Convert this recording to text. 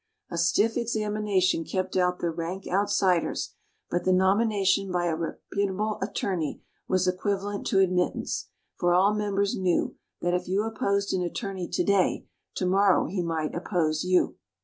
A stiff examination kept out the rank outsiders, but the nomination by a reputable attorney was equivalent to admittance, for all members knew that if you opposed an attorney today, tomorrow he might oppose you.